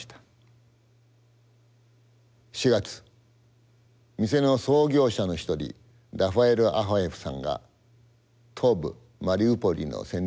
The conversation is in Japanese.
４月店の創業者の一人ラファイル・アハエフさんが東部マリウポリの戦闘で亡くなりました。